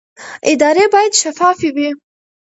ادارې باید شفافې وي